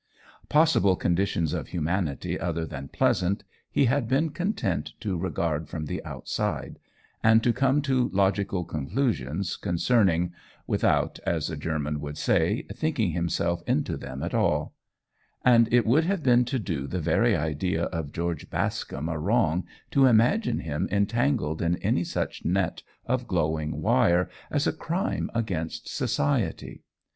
Possible conditions of humanity other than pleasant, he had been content to regard from the outside, and come to logical conclusions concerning, without, as a German would say, thinking himself into them at all; and it would have been to do the very idea of George Bascombe a wrong to imagine him entangled in any such net of glowing wire as a crime against society!